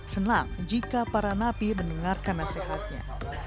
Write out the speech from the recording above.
senang jika para napi mendengarkan nasihatnya